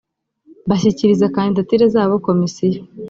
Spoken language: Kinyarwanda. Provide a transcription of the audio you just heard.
bashyikiriza kandidatire zabo komisiyo